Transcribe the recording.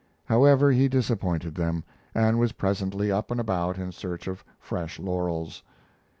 However, he disappointed them, and was presently up and about in search of fresh laurels.